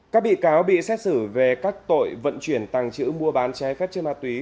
các bị cáo bị xét xử về các tội vận chuyển tàng chữ mua bán trái phép trên ma túy